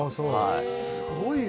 すごいわ。